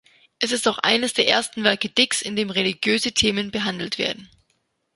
Es ist auch eines der ersten Werke Dicks, in dem religiöse Themen behandelt werden.